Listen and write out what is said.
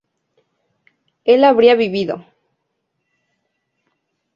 él habría vivido